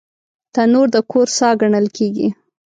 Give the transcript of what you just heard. تنور د کور ساه ګڼل کېږي